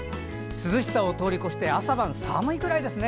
涼しさを通り越して朝晩寒いくらいですね。